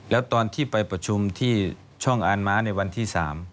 แล้วตอนที่ไปประชุมที่ช่องอ่านม้าในวันที่๓